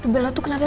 bel tuh kenapa